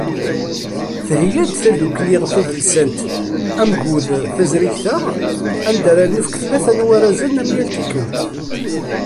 Theyya-d tdukkla tadelsant Amgud taẓrigt-a, anda ara nefk tlata n warazen am yal tikkelt.